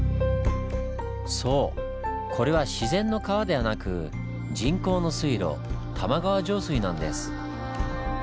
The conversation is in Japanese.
そうこれは自然の川ではなく人工の水路玉川上水なんです。